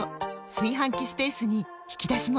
炊飯器スペースに引き出しも！